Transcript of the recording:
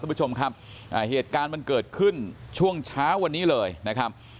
คุณผู้ชมครับเหตุการณ์มันเกิดขึ้นช่วงเช้าวันนี้เลยนะครับ